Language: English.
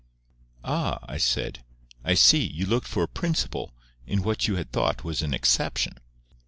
"Ah!" I said. "I see. You looked for a principle in what you had thought was an exception."